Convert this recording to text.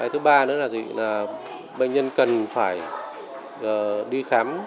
thứ ba là bệnh nhân cần phải đi khám